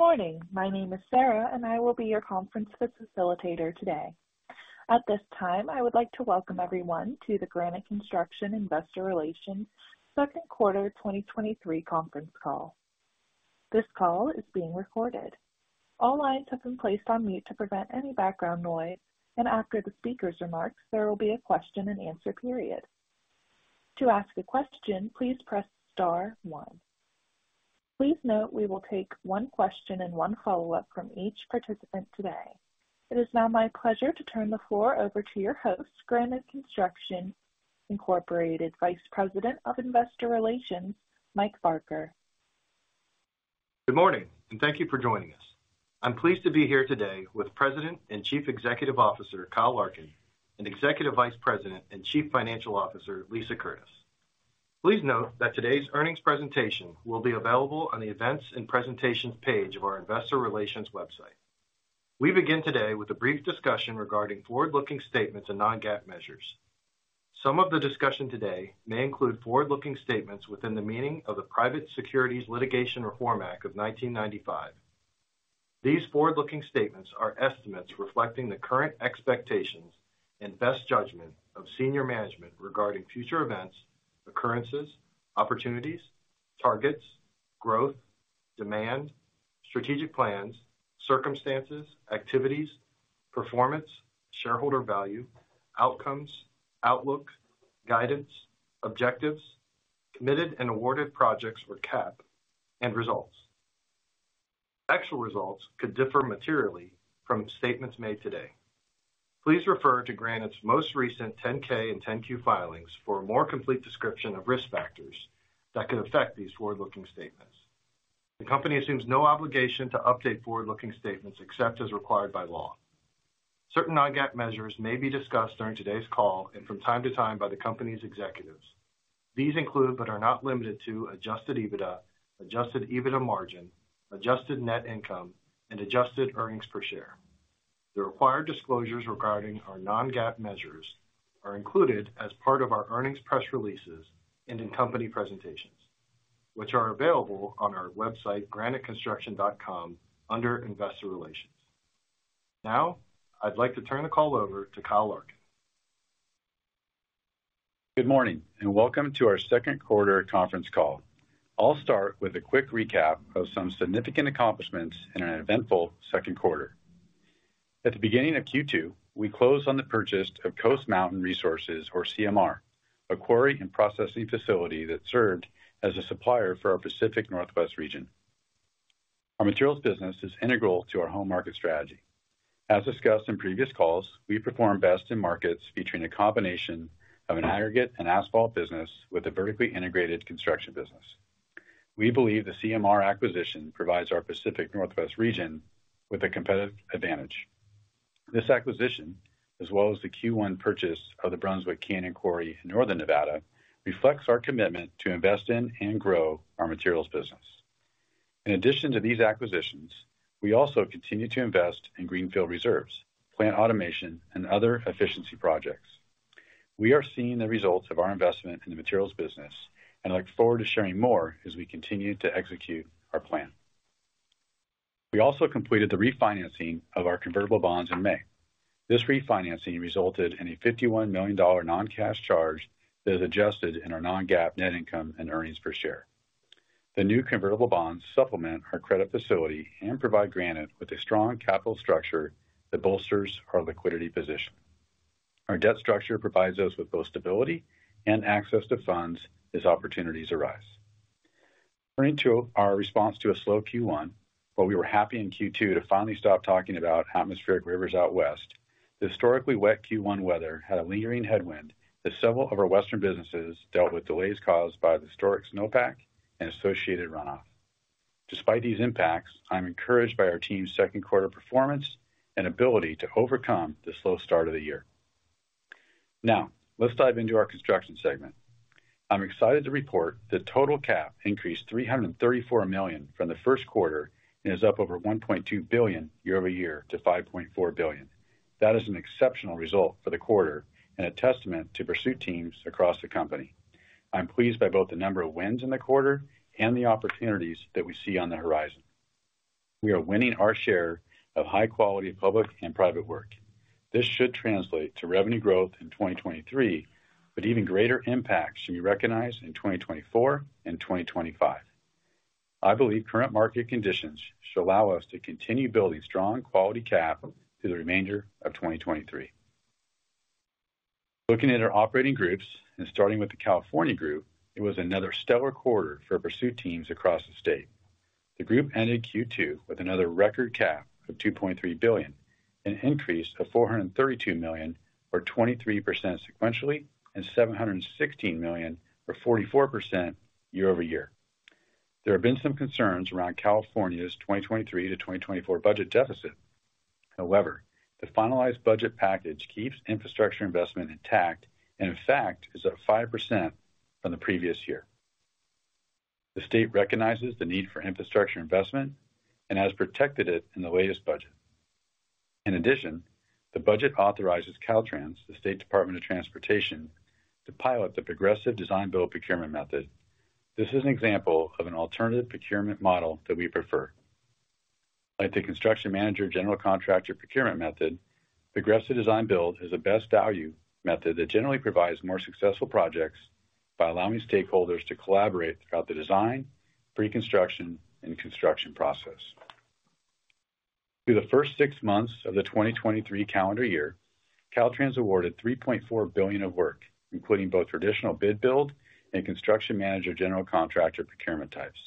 Good morning. My name is Sarah, and I will be your conference facilitator today. At this time, I would like to welcome everyone to the Granite Construction Investor Relations second quarter 2023 conference call. This call is being recorded. All lines have been placed on mute to prevent any background noise, and after the speaker's remarks, there will be a question-and-answer period. To ask a question, please press star one. Please note, we will take one question and one follow-up from each participant today. It is now my pleasure to turn the floor over to your host, Granite Construction Incorporated, Vice President of Investor Relations, Mike Barker. Good morning. Thank you for joining us. I'm pleased to be here today with President and Chief Executive Officer, Kyle Larkin, and Executive Vice President and Chief Financial Officer, Lisa Curtis. Please note that today's earnings presentation will be available on the Events and Presentations page of our investor relations website. We begin today with a brief discussion regarding forward-looking statements and non-GAAP measures. Some of the discussion today may include forward-looking statements within the meaning of the Private Securities Litigation Reform Act of 1995. These forward-looking statements are estimates reflecting the current expectations and best judgment of senior management regarding future events, occurrences, opportunities, targets, growth, demand, strategic plans, circumstances, activities, performance, shareholder value, outcomes, outlook, guidance, objectives, committed and awarded projects or CAP, and results. Actual results could differ materially from statements made today. Please refer to Granite's most recent 10-K and 10-Q filings for a more complete description of risk factors that could affect these forward-looking statements. The company assumes no obligation to update forward-looking statements except as required by law. Certain non-GAAP measures may be discussed during today's call and from time to time by the company's executives. These include, but are not limited to, adjusted EBITDA, adjusted EBITDA margin, adjusted net income, and adjusted earnings per share. The required disclosures regarding our non-GAAP measures are included as part of our earnings press releases and in company presentations, which are available on our website, graniteconstruction.com, under Investor Relations. I'd like to turn the call over to Kyle Larkin. Good morning, welcome to our second quarter conference call. I'll start with a quick recap of some significant accomplishments in an eventful second quarter. At the beginning of Q2, we closed on the purchase of Coast Mountain Resources, or CMR, a quarry and processing facility that served as a supplier for our Pacific Northwest region. Our materials business is integral to our home market strategy. As discussed in previous calls, we perform best in markets featuring a combination of an aggregate and asphalt business with a vertically integrated construction business. We believe the CMR acquisition provides our Pacific Northwest region with a competitive advantage. This acquisition, as well as the Q1 purchase of the Brunswick Canyon Quarry in Northern Nevada, reflects our commitment to invest in and grow our materials business. In addition to these acquisitions, we also continue to invest in greenfield reserves, plant automation, and other efficiency projects. We are seeing the results of our investment in the materials business and look forward to sharing more as we continue to execute our plan. We also completed the refinancing of our convertible bonds in May. This refinancing resulted in a $51 million non-cash charge that is adjusted in our non-GAAP net income and earnings per share. The new convertible bonds supplement our credit facility and provide Granite with a strong capital structure that bolsters our liquidity position. Our debt structure provides us with both stability and access to funds as opportunities arise. Turning to our response to a slow Q1, while we were happy in Q2 to finally stop talking about atmospheric rivers out west, the historically wet Q1 weather had a lingering headwind as several of our Western businesses dealt with delays caused by the historic snowpack and associated runoff. Despite these impacts, I'm encouraged by our team's second quarter performance and ability to overcome the slow start of the year. Now, let's dive into our construction segment. I'm excited to report that total CAP increased $334 million from the first quarter and is up over $1.2 billion year-over-year to $5.4 billion. That is an exceptional result for the quarter and a testament to pursuit teams across the company. I'm pleased by both the number of wins in the quarter and the opportunities that we see on the horizon. We are winning our share of high-quality public and private work. This should translate to revenue growth in 2023. Even greater impacts should be recognized in 2024 and 2025. I believe current market conditions should allow us to continue building strong quality CAP through the remainder of 2023. Looking at our operating groups. Starting with the California Group, it was another stellar quarter for pursuit teams across the state. The group ended Q2 with another record CAP of $2.3 billion, an increase of $432 million, or 23% sequentially, and $716 million, or 44% year-over-year. There have been some concerns around California's 2023-2024 budget deficit. However, the finalized budget package keeps infrastructure investment intact and in fact, is at 5% from the previous year. The state recognizes the need for infrastructure investment and has protected it in the latest budget. The budget authorizes Caltrans, the State Department of Transportation, to pilot the Progressive Design-Build procurement method. This is an example of an alternative procurement model that we prefer. Like the Construction Manager General Contractor procurement method, Progressive Design-Build is a best value method that generally provides more successful projects by allowing stakeholders to collaborate throughout the design, pre-construction, and construction process. Through the first six months of the 2023 calendar year, Caltrans awarded $3.4 billion of work, including both traditional bid build and Construction Manager General Contractor procurement types.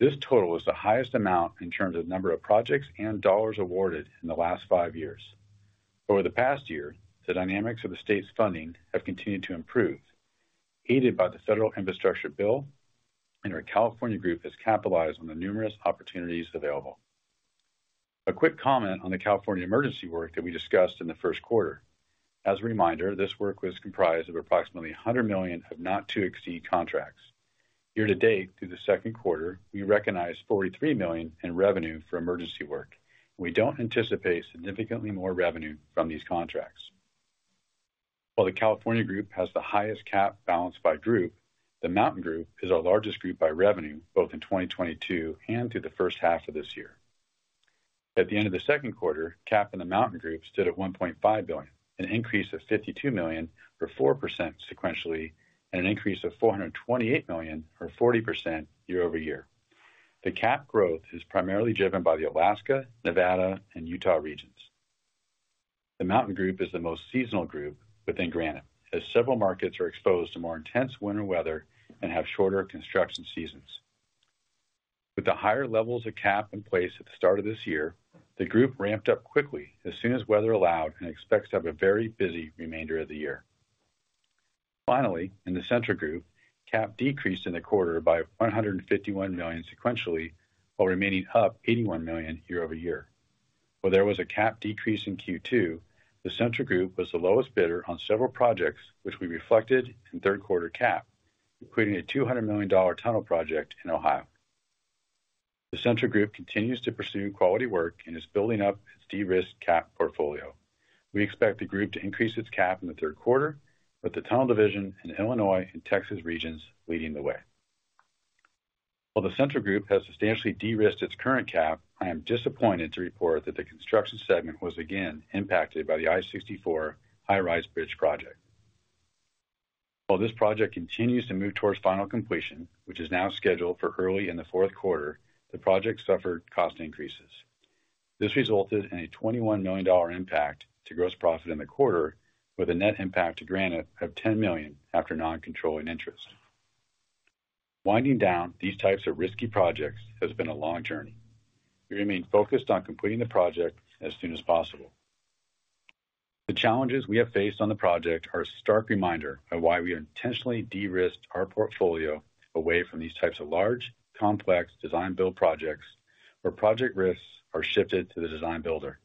This total is the highest amount in terms of number of projects and dollars awarded in the last five years. Over the past year, the dynamics of the state's funding have continued to improve, aided by the Federal Infrastructure Bill, and our California Group has capitalized on the numerous opportunities available. A quick comment on the California emergency work that we discussed in the first quarter. As a reminder, this work was comprised of approximately $100 million of not to exceed contracts. Year-to-date, through the second quarter, we recognized $43 million in revenue for emergency work. We don't anticipate significantly more revenue from these contracts. While the California Group has the highest CAP balance by group, the Mountain Group is our largest group by revenue, both in 2022 and through the first half of this year. At the end of the second quarter, CAP in the Mountain Group stood at $1.5 billion, an increase of $52 million, or 4% sequentially, and an increase of $428 million, or 40% year-over-year. The CAP growth is primarily driven by the Alaska, Nevada, and Utah regions. The Mountain Group is the most seasonal group within Granite, as several markets are exposed to more intense winter weather and have shorter construction seasons. With the higher levels of CAP in place at the start of this year, the group ramped up quickly as soon as weather allowed and expects to have a very busy remainder of the year. Finally, in the Central Group, CAP decreased in the quarter by $151 million sequentially, while remaining up $81 million year-over-year. While there was a CAP decrease in Q2, the Central Group was the lowest bidder on several projects, which we reflected in third quarter CAP, including a $200 million tunnel project in Ohio. The Central Group continues to pursue quality work and is building up its de-risked CAP portfolio. We expect the group to increase its CAP in the third quarter, with the tunnel division in Illinois and Texas regions leading the way. While the Central Group has substantially de-risked its current CAP, I am disappointed to report that the construction segment was again impacted by the I-64 High Rise Bridge project. While this project continues to move towards final completion, which is now scheduled for early in the fourth quarter, the project suffered cost increases. This resulted in a $21 million impact to gross profit in the quarter, with a net impact to Granite of $10 million after non-controlling interest. Winding down these types of risky projects has been a long journey. We remain focused on completing the project as soon as possible. The challenges we have faced on the project are a stark reminder of why we intentionally de-risked our portfolio away from these types of large, complex design-build projects, where project risks are shifted to the design builder.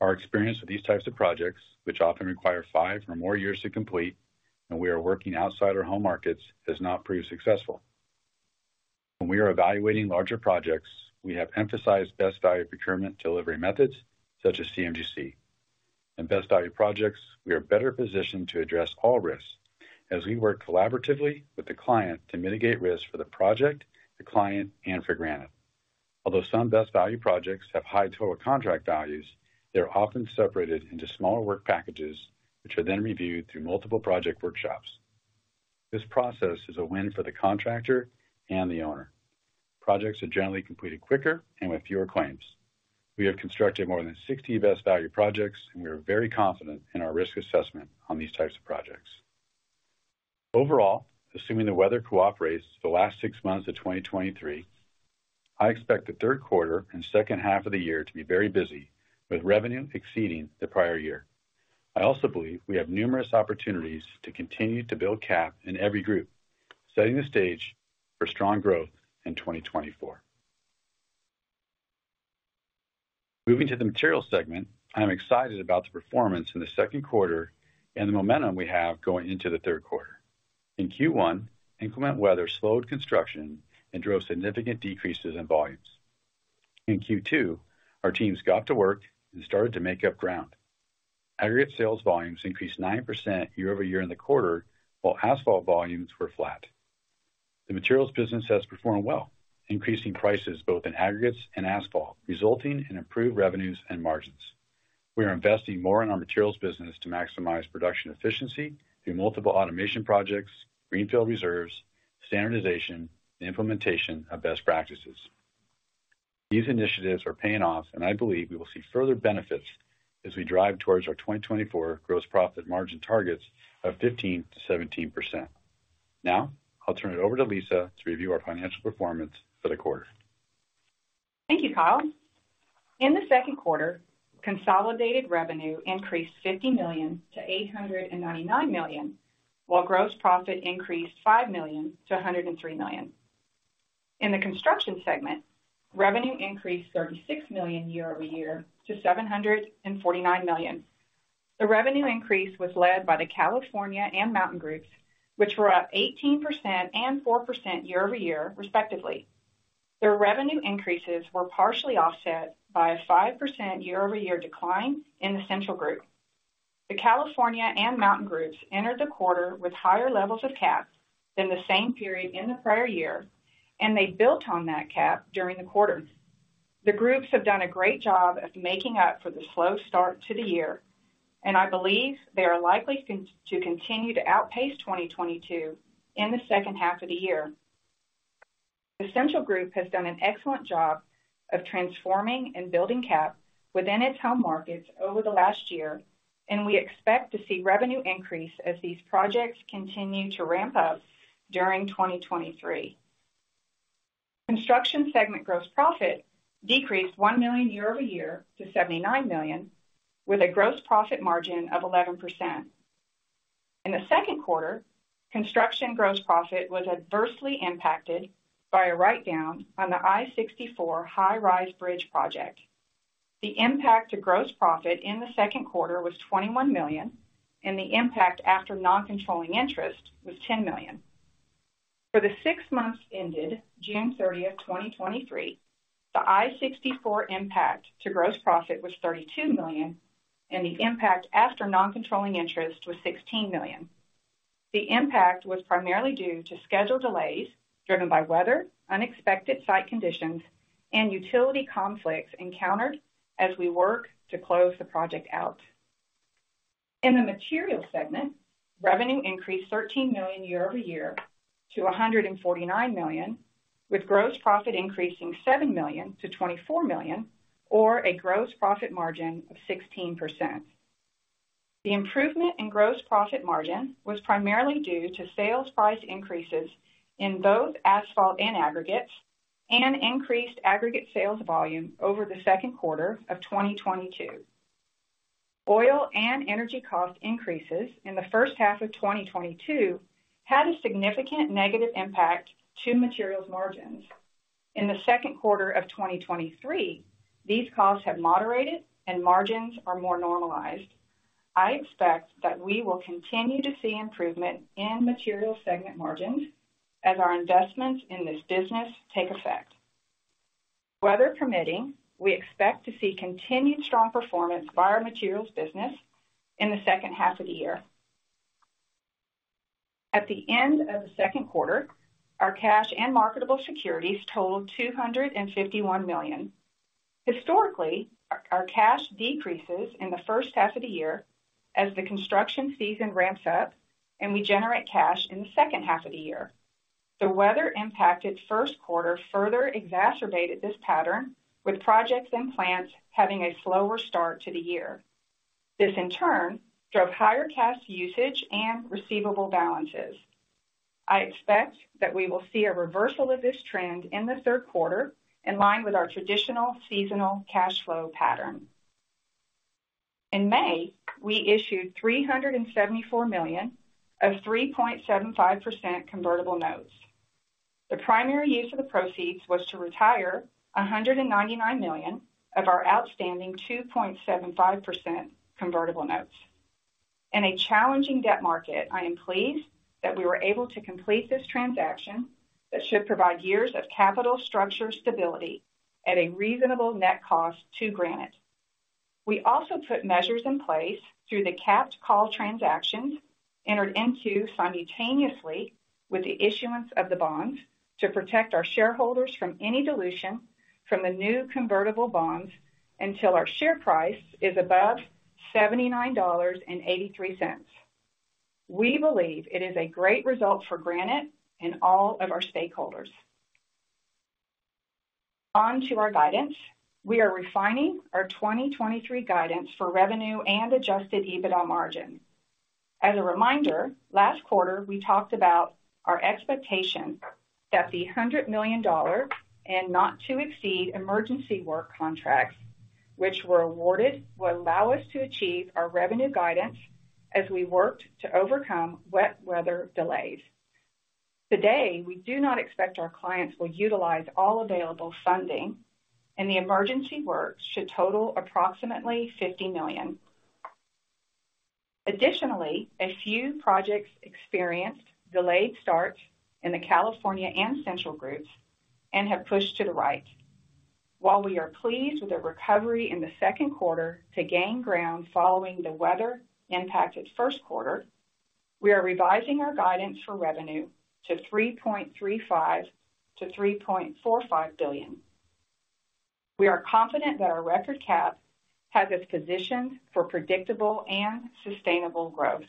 Our experience with these types of projects, which often require five or more years to complete, and we are working outside our home markets, has not proved successful. When we are evaluating larger projects, we have emphasized best value procurement delivery methods such as CMGC. In best value projects, we are better positioned to address all risks as we work collaboratively with the client to mitigate risks for the project, the client, and for Granite. Although some best value projects have high total contract values, they are often separated into smaller work packages, which are then reviewed through multiple project workshops. This process is a win for the contractor and the owner. Projects are generally completed quicker and with fewer claims. We have constructed more than 60 best value projects, and we are very confident in our risk assessment on these types of projects. Overall, assuming the weather cooperates the last six months of 2023, I expect the third quarter and second half of the year to be very busy, with revenue exceeding the prior year. I also believe we have numerous opportunities to continue to build CAP in every group, setting the stage for strong growth in 2024. Moving to the Materials segment, I am excited about the performance in the second quarter and the momentum we have going into the third quarter. In Q1, inclement weather slowed construction and drove significant decreases in volumes. In Q2, our teams got to work and started to make up ground. Aggregate sales volumes increased 9% year-over-year in the quarter, while asphalt volumes were flat. The materials business has performed well, increasing prices both in aggregates and asphalt, resulting in improved revenues and margins. We are investing more in our materials business to maximize production efficiency through multiple automation projects, greenfield reserves, standardization, and implementation of best practices. These initiatives are paying off, and I believe we will see further benefits as we drive towards our 2024 gross profit margin targets of 15%-17%. I'll turn it over to Lisa to review our financial performance for the quarter. Thank you, Kyle. In the second quarter, consolidated revenue increased $50 million to $899 million, while gross profit increased $5 million to $103 million. In the construction segment, revenue increased $36 million year-over-year to $749 million. The revenue increase was led by the California and Mountain Group, which were up 18% and 4% year-over-year, respectively. Their revenue increases were partially offset by a 5% year-over-year decline in the Central Group. The California and Mountain Group entered the quarter with higher levels of CAP than the same period in the prior year, and they built on that CAP during the quarter. The groups have done a great job of making up for the slow start to the year. I believe they are likely to continue to outpace 2022 in the second half of the year. The Central Group has done an excellent job of transforming and building CAP within its home markets over the last year. We expect to see revenue increase as these projects continue to ramp up during 2023. Construction segment gross profit decreased $1 million year-over-year to $79 million, with a gross profit margin of 11%. In the second quarter, construction gross profit was adversely impacted by a write-down on the I-64 High Rise Bridge project. The impact to gross profit in the second quarter was $21 million. The impact after non-controlling interest was $10 million. For the six months ended June 30th, 2023, the I-64 impact to gross profit was $32 million, and the impact after non-controlling interest was $16 million. The impact was primarily due to schedule delays driven by weather, unexpected site conditions, and utility conflicts encountered as we work to close the project out. In the material segment, revenue increased $13 million year-over-year to $149 million, with gross profit increasing $7 million-$24 million, or a gross profit margin of 16%. The improvement in gross profit margin was primarily due to sales price increases in both asphalt and aggregates, and increased aggregate sales volume over the second quarter of 2022. Oil and energy cost increases in the first half of 2022 had a significant negative impact to materials margins. In the second quarter of 2023, these costs have moderated and margins are more normalized. I expect that we will continue to see improvement in materials segment margins as our investments in this business take effect. Weather permitting, we expect to see continued strong performance by our materials business in the second half of the year. At the end of the second quarter, our cash and marketable securities totaled $251 million. Historically, our cash decreases in the first half of the year as the construction season ramps up and we generate cash in the second half of the year. The weather-impacted first quarter further exacerbated this pattern, with projects and plants having a slower start to the year. This, in turn, drove higher cash usage and receivable balances. I expect that we will see a reversal of this trend in the third quarter, in line with our traditional seasonal cash flow pattern. In May, we issued $374 million of 3.75% convertible notes. The primary use of the proceeds was to retire $199 million of our outstanding 2.75% convertible notes. In a challenging debt market, I am pleased that we were able to complete this transaction that should provide years of capital structure stability at a reasonable net cost to Granite. We also put measures in place through the capped call transactions, entered into simultaneously with the issuance of the bonds, to protect our shareholders from any dilution from the new convertible bonds until our share price is above $79.83. We believe it is a great result for Granite and all of our stakeholders. On to our guidance. We are refining our 2023 guidance for revenue and adjusted EBITDA margin. As a reminder, last quarter, we talked about our expectation that the $100 million and not to exceed emergency work contracts which were awarded, will allow us to achieve our revenue guidance as we worked to overcome wet weather delays. Today, we do not expect our clients will utilize all available funding, and the emergency works should total approximately $50 million. Additionally, a few projects experienced delayed starts in the California Group and Central Group and have pushed to the right. While we are pleased with the recovery in the second quarter to gain ground following the weather-impacted first quarter, we are revising our guidance for revenue to $3.35 billion-$3.45 billion. We are confident that our record CAP has us positioned for predictable and sustainable growth.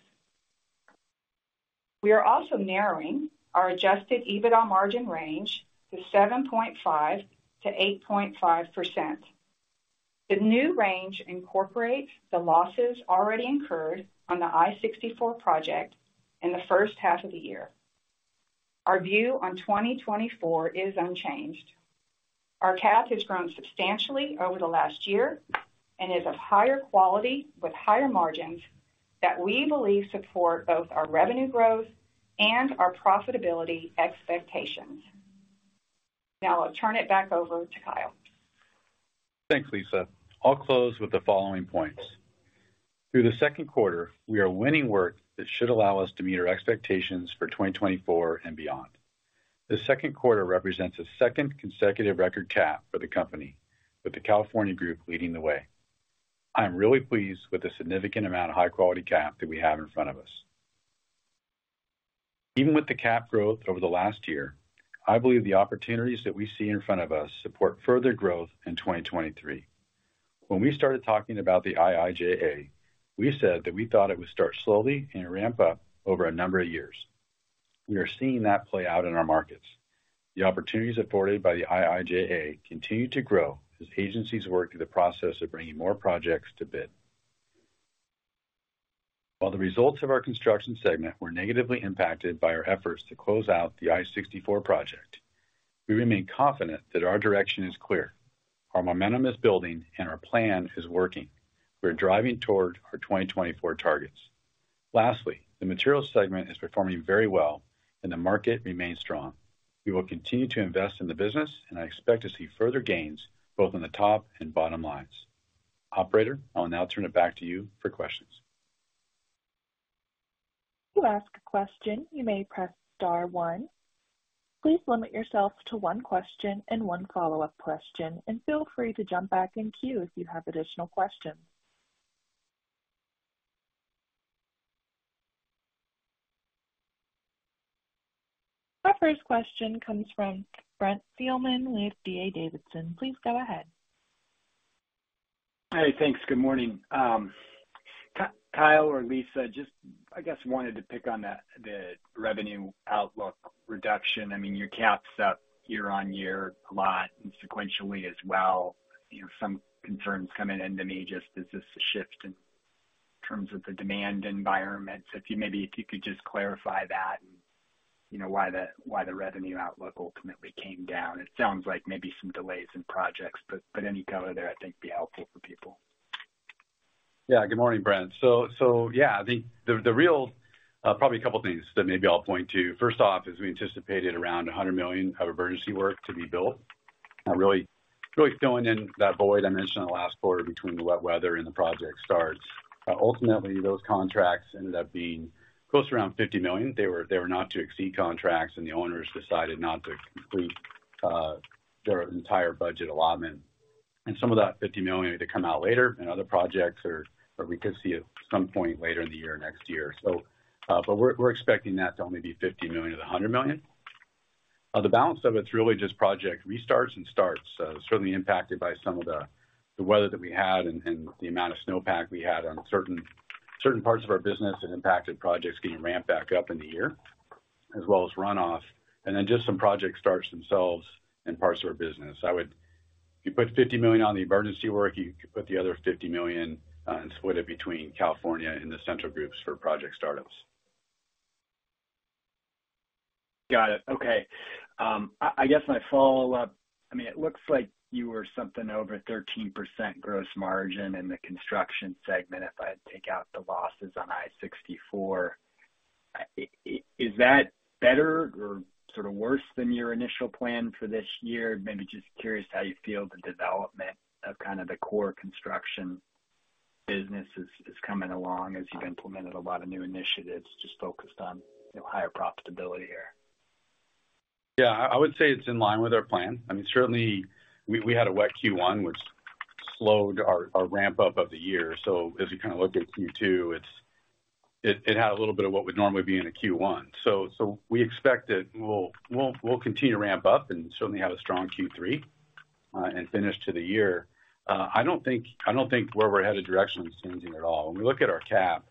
We are also narrowing our adjusted EBITDA margin range to 7.5%-8.5%. The new range incorporates the losses already incurred on the I-64 project in the first half of the year. Our view on 2024 is unchanged. Our CAP has grown substantially over the last year and is of higher quality, with higher margins that we believe support both our revenue growth and our profitability expectations. Now I'll turn it back over to Kyle. Thanks, Lisa. I'll close with the following points. Through the second quarter, we are winning work that should allow us to meet our expectations for 2024 and beyond. The second quarter represents a second consecutive record cap for the company, with the California Group leading the way. I am really pleased with the significant amount of high-quality cap that we have in front of us. Even with the cap growth over the last year, I believe the opportunities that we see in front of us support further growth in 2023. When we started talking about the IIJA, we said that we thought it would start slowly and ramp up over a number of years. We are seeing that play out in our markets. The opportunities afforded by the IIJA continue to grow as agencies work through the process of bringing more projects to bid. While the results of our construction segment were negatively impacted by our efforts to close out the I-64 project, we remain confident that our direction is clear, our momentum is building, and our plan is working. We're driving toward our 2024 targets. Lastly, the materials segment is performing very well, and the market remains strong. I expect to see further gains both on the top and bottom lines. Operator, I'll now turn it back to you for questions. To ask a question, you may press star one. Please limit yourself to one question and one follow-up question, and feel free to jump back in queue if you have additional questions. Our first question comes from Brent Thielman with D.A. Davidson. Please go ahead. Hi, thanks. Good morning. Kyle or Lisa, just, I guess, wanted to pick on the revenue outlook reduction. I mean, your CAP's up year-on-year a lot and sequentially as well. You know, some concerns coming into me, just as this a shift in terms of the demand environment. If you maybe, if you could just clarify that and, you know, why the revenue outlook ultimately came down. It sounds like maybe some delays in projects, but any color there, I think, would be helpful for people. Good morning, Brent. The real, probably a couple of things that maybe I'll point to. First off, is we anticipated around $100 million of emergency work to be built, really filling in that void I mentioned in the last quarter between the wet weather and the project starts. Ultimately, those contracts ended up being close to around $50 million. They were not to exceed contracts, the owners decided not to complete their entire budget allotment. Some of that $50 million to come out later in other projects or we could see at some point later in the year, next year. We're expecting that to only be $50 million-$100 million. The balance of it's really just project restarts and starts. Certainly impacted by some of the, the weather that we had and, and the amount of snowpack we had on certain, certain parts of our business and impacted projects getting ramped back up in the year, as well as runoff, and then just some project starts themselves in parts of our business. You put $50 million on the emergency work, you could put the other $50 million and split it between California and the Central Groups for project startups. Got it. Okay. I guess my follow-up, I mean, it looks like you were something over 13% gross margin in the construction segment, if I take out the losses on I-64. Is that better or sort of worse than your initial plan for this year? Maybe just curious how you feel the development of kind of the core construction business is coming along as you've implemented a lot of new initiatives just focused on, you know, higher profitability here. Yeah, I would say it's in line with our plan. I mean, certainly we had a wet Q1, which slowed our ramp-up of the year. As you kind of look at Q2, it had a little bit of what would normally be in a Q1. We expect that we'll continue to ramp up and certainly have a strong Q3 and finish to the year. I don't think where we're headed directionally is changing at all. When we look at our CAP,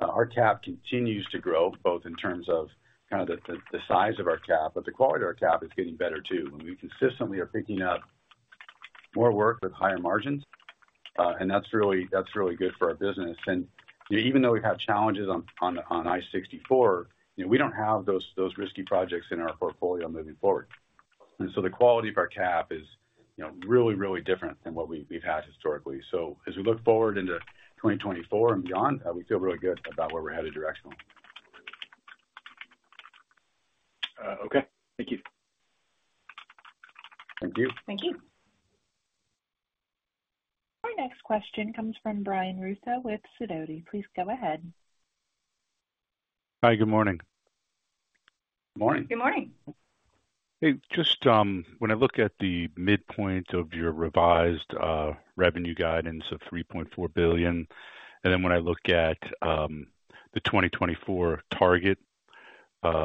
our CAP continues to grow, both in terms of kind of the size of our CAP, but the quality of our CAP is getting better, too. We consistently are picking up more work with higher margins, and that's really good for our business. Even though we've had challenges on I-64, you know, we don't have those risky projects in our portfolio moving forward. The quality of our CAP is, you know, really different than what we've had historically. As we look forward into 2024 and beyond, we feel really good about where we're headed directionally. Okay. Thank you. Thank you. Thank you. Our next question comes from Brian Russo with Sidoti. Please go ahead. Hi, good morning. Morning. Good morning. Hey, just when I look at the midpoint of your revised revenue guidance of $3.4 billion, then when I look at the 2024 target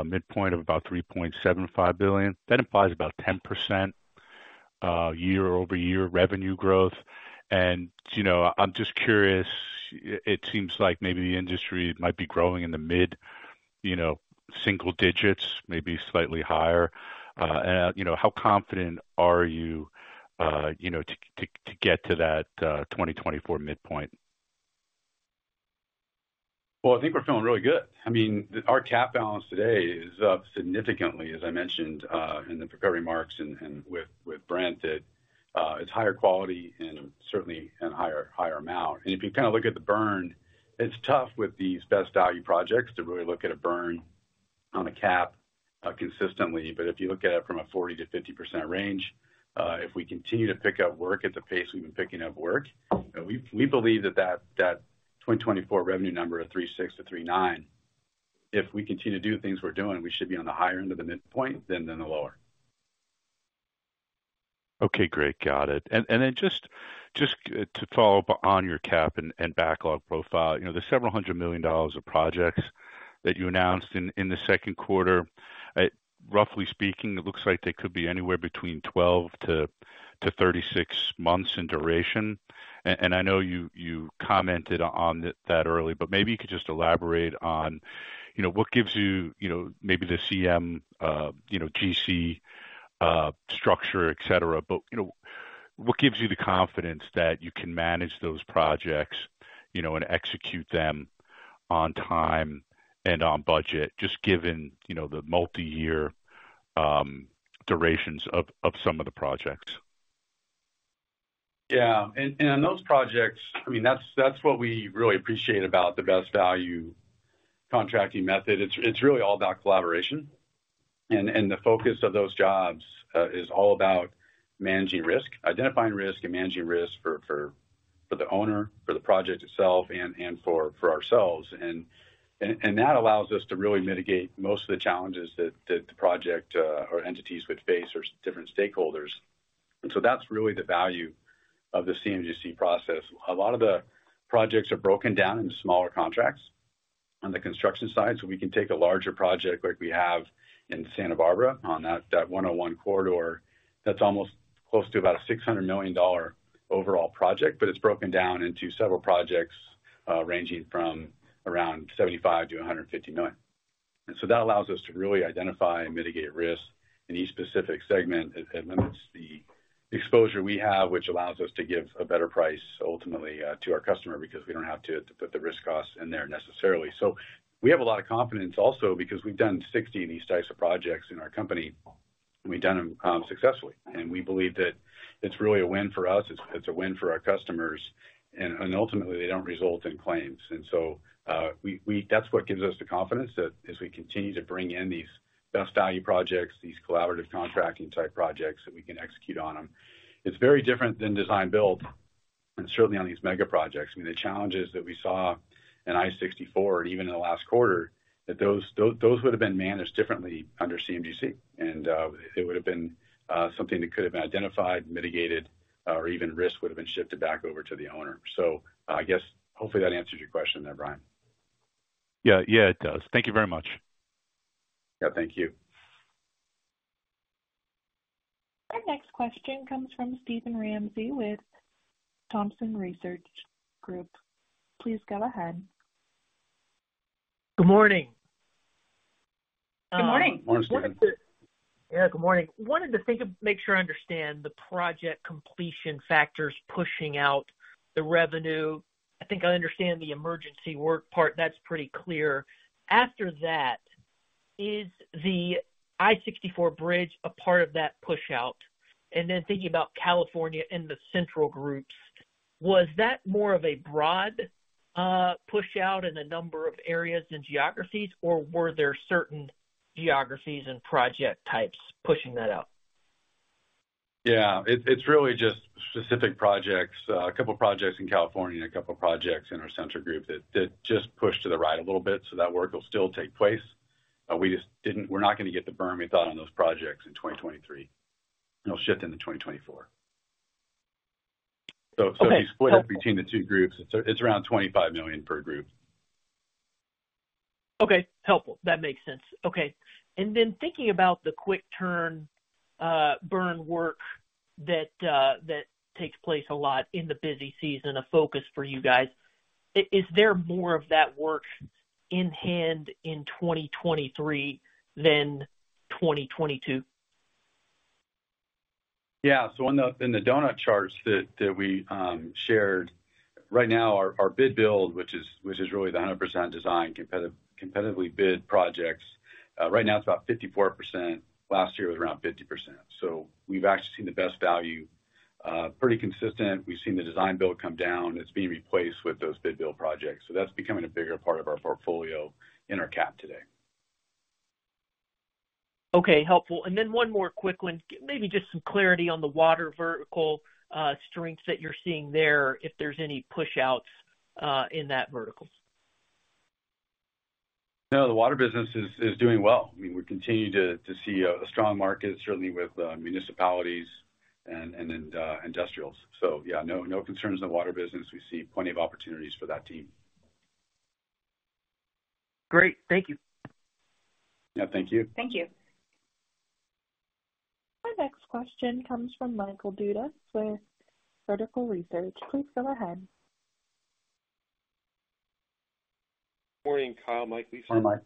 midpoint of about $3.75 billion, that implies about 10% year-over-year revenue growth. You know, I'm just curious, it seems like maybe the industry might be growing in the mid, you know, single digits, maybe slightly higher. You know, how confident are you, you know, to get to that 2024 midpoint? Well, I think we're feeling really good. I mean, our CAP balance today is up significantly, as I mentioned, in the prepared remarks and with Brent, it's higher quality and certainly and higher amount. If you kind of look at the burn, it's tough with these best value projects to really look at a burn on a CAP consistently. If you look at it from a 40%-50% range, if we continue to pick up work at the pace we've been picking up work, we believe that 2024 revenue number of $3.6 billion-$3.9 billion, if we continue to do the things we're doing, we should be on the higher end of the midpoint than the lower. Okay, great. Got it. Then just to follow up on your CAP and backlog profile, you know, the $ several hundred million of projects that you announced in the second quarter, roughly speaking, it looks like they could be anywhere between 12-36 months in duration. I know you commented on that early, but maybe you could just elaborate on, you know, what gives you, you know, maybe the CMGC structure, et cetera. You know, what gives you the confidence that you can manage those projects, you know, and execute them on time and on budget, just given, you know, the multiyear durations of some of the projects? Yeah, and those projects, I mean, that's what we really appreciate about the best value contracting method. It's really all about collaboration. The focus of those jobs is all about managing risk, identifying risk and managing risk for the owner, for the project itself, and for ourselves. That allows us to really mitigate most of the challenges that the project or entities would face, or different stakeholders. That's really the value of the CMGC process. A lot of the projects are broken down into smaller contracts on the construction side, so we can take a larger project, like we have in Santa Barbara on that one oh one corridor. That's almost close to about a $600 million overall project, but it's broken down into several projects, ranging from around $75 million-$150 million. That allows us to really identify and mitigate risks in each specific segment. It limits the exposure we have, which allows us to give a better price ultimately to our customer, because we don't have to put the risk costs in there necessarily. We have a lot of confidence also because we've done 60 of these types of projects in our company, and we've done them successfully. We believe that it's really a win for us, it's a win for our customers, and ultimately, they don't result in claims. That's what gives us the confidence that as we continue to bring in these best value projects, these collaborative contracting type projects, that we can execute on them. It's very different than design-build and certainly on these mega projects. I mean, the challenges that we saw in I-64, even in the last quarter, that those would have been managed differently under CMGC. It would have been something that could have been identified, mitigated, or even risk would have been shifted back over to the owner. I guess hopefully that answers your question there, Brian. Yeah. Yeah, it does. Thank you very much. Yeah, thank you. Our next question comes from Steven Ramsey with Thompson Research Group. Please go ahead. Good morning. Good morning. Morning. Good morning. Wanted to make sure I understand the project completion factors pushing out the revenue. I think I understand the emergency work part. That's pretty clear. After that, is the I-64 bridge a part of that push out? Thinking about California and the Central groups, was that more of a broad push out in a number of areas and geographies, or were there certain geographies and project types pushing that out? Yeah, it's really just specific projects, a couple projects in California and a couple projects in our Central Group that just pushed to the right a little bit. That work will still take place. We're not going to get the burn we thought on those projects in 2023. It'll shift into 2024. Okay. Split up between the two groups, it's around $25 million per group. Okay, helpful. That makes sense. Okay, thinking about the quick turn, burn work that, that takes place a lot in the busy season, a focus for you guys, is there more of that work in hand in 2023 than 2022? On the, in the donut charts that we shared, right now, our bid build, which is really the 100% design, competitively bid projects, right now it's about 54%. Last year was around 50%. We've actually seen the best value pretty consistent. We've seen the design build come down, and it's being replaced with those bid build projects. That's becoming a bigger part of our portfolio in our CAP today. Okay, helpful. Then one more quick one. Maybe just some clarity on the water vertical, strengths that you're seeing there, if there's any pushouts in that vertical? No, the water business is doing well. I mean, we continue to see a strong market, certainly with municipalities and industrials. Yeah, no concerns in the water business. We see plenty of opportunities for that team. Great. Thank you. Yeah, thank you. Thank you. Our next question comes from Michael Dudas with Vertical Research. Please go ahead. Morning, Kyle. Mike, Lisa. Hi, Mike.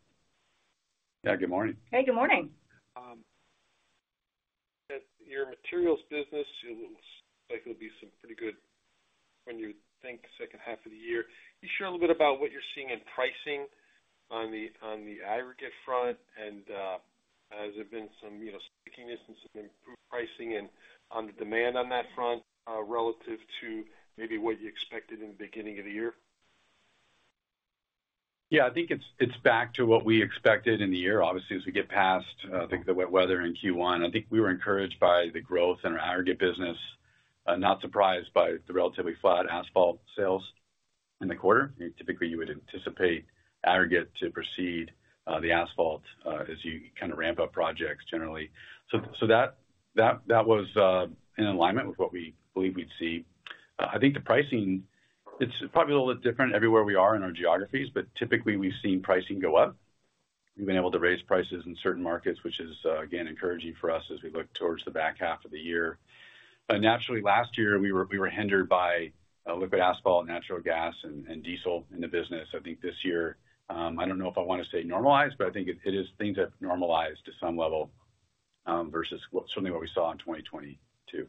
Yeah, good morning. Hey, good morning. At your materials business, it looks like it'll be some pretty good when you think second half of the year, can you share a little bit about what you're seeing in pricing on the, on the aggregate front? Has there been some, you know, stickiness and some improved pricing and on the demand on that front, relative to maybe what you expected in the beginning of the year? Yeah, I think it's back to what we expected in the year. Obviously, as we get past, I think, the wet weather in Q1, I think we were encouraged by the growth in our aggregate business, not surprised by the relatively flat asphalt sales in the quarter. Typically, you would anticipate aggregate to precede the asphalt, as you kinda ramp up projects generally. That was in alignment with what we believed we'd see. I think the pricing, it's probably a little bit different everywhere we are in our geographies, but typically, we've seen pricing go up. We've been able to raise prices in certain markets, which is again, encouraging for us as we look towards the back half of the year. Naturally, last year, we were hindered by liquid asphalt, natural gas, and diesel in the business. I think this year, I don't know if I want to say normalized, but I think it is things have normalized to some level versus certainly what we saw in 2022.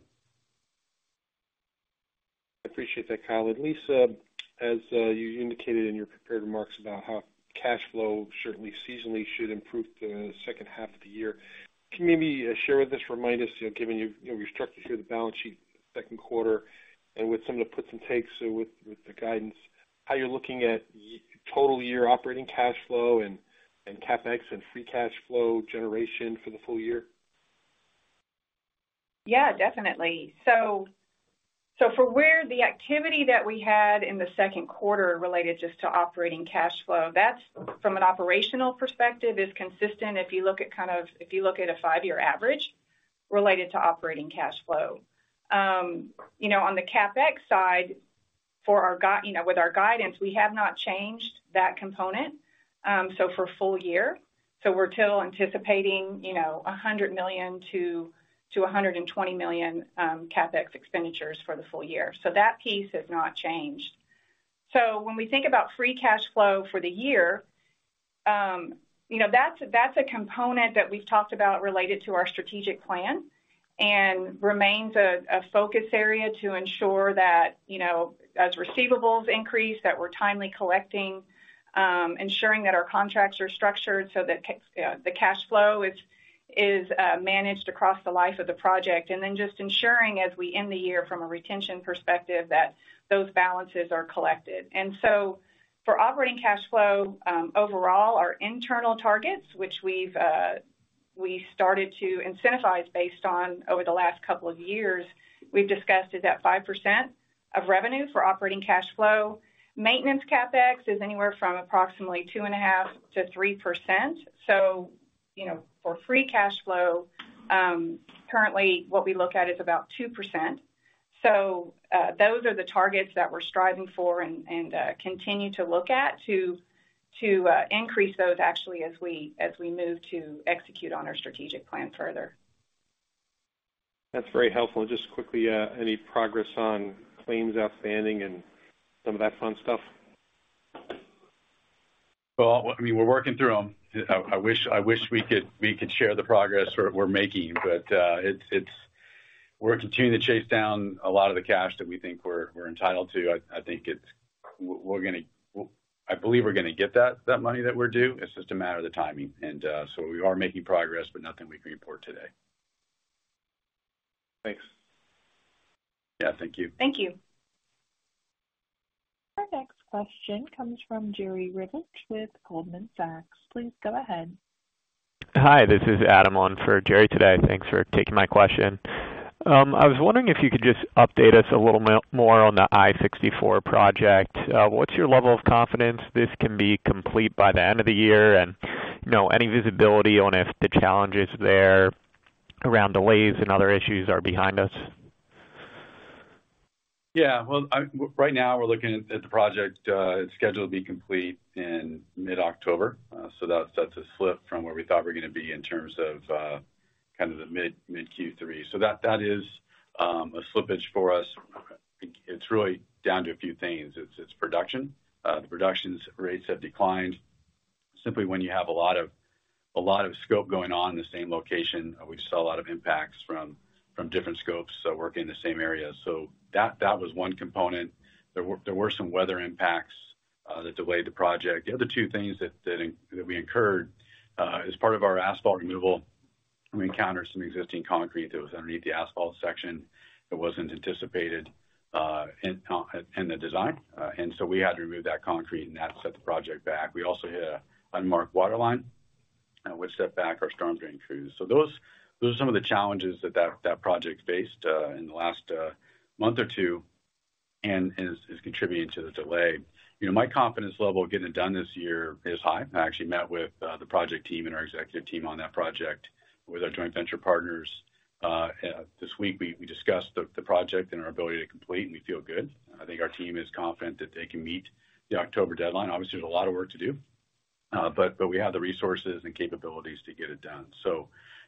I appreciate that, Kyle. Lisa, as you indicated in your prepared remarks about how cash flow, certainly seasonally, should improve the second half of the year, can you maybe share with us, remind us, you know, given you, you know, restructured the balance sheet second quarter and with some of the puts and takes with the guidance, how you're looking at total year operating cash flow and CapEx and free cash flow generation for the full year? Definitely. So for where the activity that we had in the second quarter related just to operating cash flow, that's, from an operational perspective, is consistent if you look at kind of if you look at a five-year average related to operating cash flow. You know, on the CapEx side, for our you know, with our guidance, we have not changed that component for full year. We're still anticipating, you know, $100 million to $120 million CapEx expenditures for the full year. That piece has not changed. When we think about free cash flow for the year, you know, that's a component that we've talked about related to our strategic plan and remains a focus area to ensure that, you know, as receivables increase, that we're timely collecting, ensuring that our contracts are structured so that the cash flow is managed across the life of the project, and then just ensuring as we end the year from a retention perspective, that those balances are collected. For operating cash flow, overall, our internal targets, which we've, we started to incentivize based on over the last couple of years, we've discussed, is at 5% of revenue for operating cash flow. Maintenance CapEx is anywhere from approximately 2.5%-3%.You know, for free cash flow, currently, what we look at is about 2%. Those are the targets that we're striving for and continue to look at to increase those actually as we move to execute on our strategic plan further. That's very helpful. Just quickly, any progress on claims outstanding and some of that fun stuff? Well, I mean, we're working through them. I wish we could share the progress we're making, but, it's. We're continuing to chase down a lot of the cash that we think we're entitled to. I believe we're gonna get that money that we're due. It's just a matter of the timing. We are making progress, but nothing we can report today. Thanks. Yeah, thank you. Thank you. Our next question comes from Jerry Revich with Goldman Sachs. Please go ahead. Hi, this is Adam on for Jerry today. Thanks for taking my question. I was wondering if you could just update us a little more on the I-64 project. What's your level of confidence this can be complete by the end of the year? You know, any visibility on if the challenges there around delays and other issues are behind us? Well, right now we're looking at the project scheduled to be complete in mid-October. That's a slip from where we thought we were gonna be in terms of kind of the mid Q3. That is a slippage for us. It's really down to a few things. It's production. The production rates have declined. Simply when you have a lot of scope going on in the same location, we saw a lot of impacts from different scopes, so working in the same area. That was one component. There were some weather impacts that delayed the project. The other two things that, that we incurred as part of our asphalt removal, we encountered some existing concrete that was underneath the asphalt section that wasn't anticipated in the design. We had to remove that concrete, and that set the project back. We also hit a unmarked waterline, which set back our storm drain crews. Those are some of the challenges that project faced in the last month or two and is contributing to the delay. You know, my confidence level getting it done this year is high. I actually met with the project team and our executive team on that project with our joint venture partners. This week, we discussed the project and our ability to complete, and we feel good. I think our team is confident that they can meet the October deadline. Obviously, there's a lot of work to do, but we have the resources and capabilities to get it done.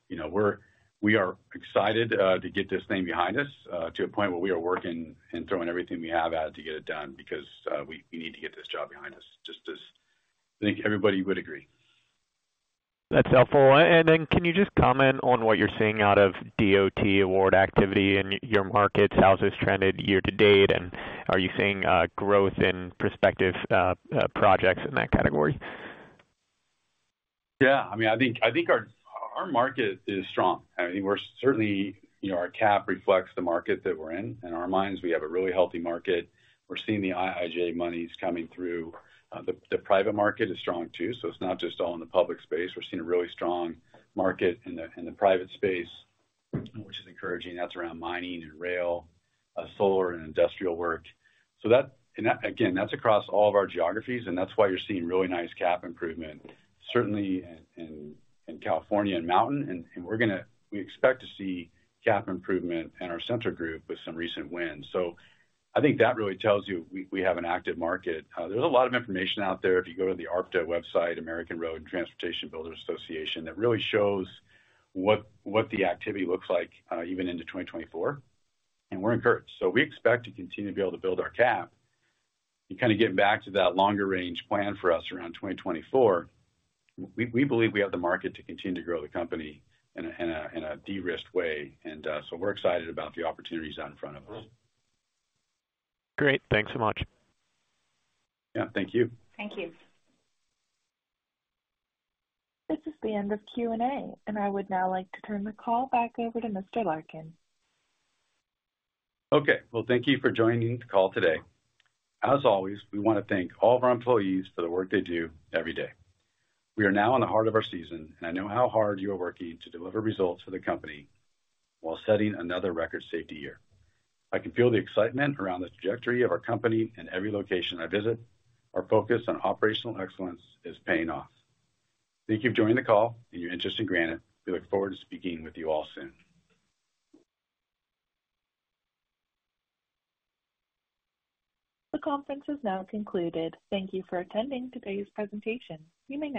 You know, we are excited to get this thing behind us to a point where we are working and throwing everything we have at it to get it done, because we need to get this job behind us, just as I think everybody would agree. That's helpful. Can you just comment on what you're seeing out of DOT award activity in your markets? How's this trended year-to-date, and are you seeing growth in prospective projects in that category? Yeah, I mean, I think, I think our, our market is strong. I mean, we're certainly, you know, our CAP reflects the market that we're in. In our minds, we have a really healthy market. We're seeing the IIJA monies coming through. The private market is strong, too, so it's not just all in the public space. We're seeing a really strong market in the, in the private space, which is encouraging. That's around mining and rail, solar and industrial work. Again, that's across all of our geographies, and that's why you're seeing really nice CAP improvement, certainly in, in California and Mountain. We expect to see CAP improvement in our Central Group with some recent wins. I think that really tells you we, we have an active market. There's a lot of information out there. If you go to the ARTBA website, American Road & Transportation Builders Association, that really shows what the activity looks like, even into 2024. We're encouraged. We expect to continue to be able to build our cap. You kind of get back to that longer-range plan for us around 2024. We believe we have the market to continue to grow the company in a de-risked way. We're excited about the opportunities out in front of us. Great. Thanks so much. Yeah, thank you. Thank you. This is the end of Q&A, and I would now like to turn the call back over to Mr. Larkin. Okay. Well, thank you for joining the call today. As always, we want to thank all of our employees for the work they do every day. We are now in the heart of our season, and I know how hard you are working to deliver results for the company while setting another record safety year. I can feel the excitement around the trajectory of our company in every location I visit. Our focus on operational excellence is paying off. Thank you for joining the call and your interest in Granite. We look forward to speaking with you all soon. The conference is now concluded. Thank you for attending today's presentation. You may now disconnect.